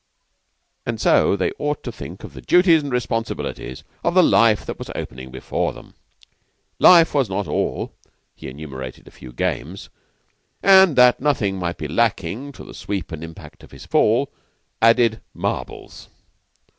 And so they ought to think of the duties and responsibilities of the life that was opening before them. Life was not all he enumerated a few games, and, that nothing might be lacking to the sweep and impact of his fall, added "marbles."